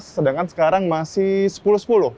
sedangkan sekarang masih sepuluh sepuluh